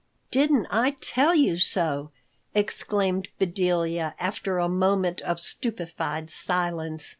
"Didn't I tell you so?" exclaimed Bedelia after a moment of stupefied silence.